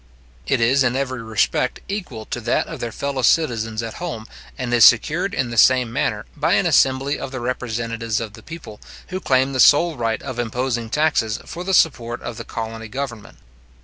It is in every respect equal to that of their fellow citizens at home, and is secured in the same manner, by an assembly of the representatives of the people, who claim the sole right of imposing taxes for the support of the colony government.